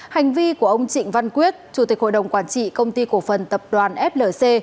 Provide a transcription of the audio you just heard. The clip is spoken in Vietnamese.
hành vi của ông trịnh văn quyết chủ tịch hội đồng quản trị công ty cổ phần tập đoàn flc